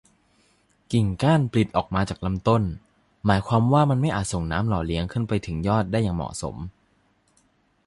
กิ่งก้านปลิดออกมาจากลำต้น หมายความว่ามันไม่อาจส่งน้ำหล่อเลี้ยงขึ้นไปถึงยอดได้อย่างเหมาะสม